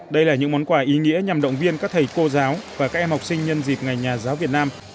đây là những món quà ý nghĩa nhằm động viên các thầy cô giáo và các em học sinh nhân dịp ngày nhà giáo việt nam hai mươi một mươi một